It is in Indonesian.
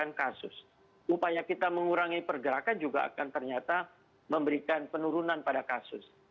untuk mengurangi kasusnya upaya kita mengurangi pergerakan juga akan ternyata memberikan penurunan pada kasus